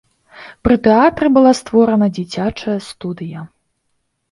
Пры тэатры была створана дзіцячая студыя.